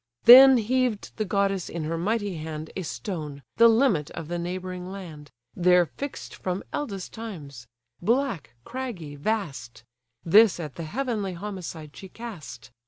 Then heaved the goddess in her mighty hand A stone, the limit of the neighbouring land, There fix'd from eldest times; black, craggy, vast; This at the heavenly homicide she cast.